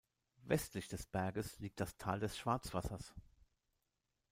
Westlich des Berges liegt das Tal des Schwarzwassers.